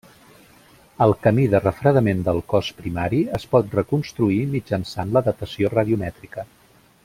El camí de refredament del cos primari es pot reconstruir mitjançant la datació radiomètrica.